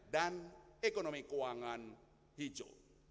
dan ekonomi keuangan hijau